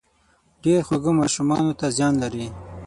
ډېر خواږه ماشومانو ته زيان لري